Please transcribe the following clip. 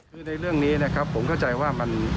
คือในเรื่องนี้นะครับผมเข้าใจว่ามัน